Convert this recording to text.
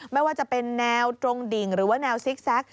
ไม่ว่าจะเป็นแนวตรงดิ่งหรือว่าแนวซิกแซค